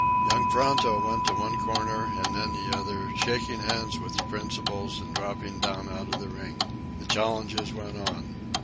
Young Pronto went to one corner and then the other, shaking hands with the principals and dropping down out of the ring. The challenges went on.